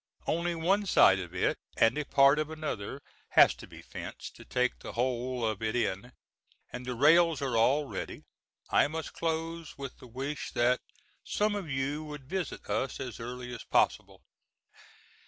Only one side of it and a part of another has to be fenced to take the whole of it in, and the rails are all ready. I must close with the wish that some of you would visit us as early as possible.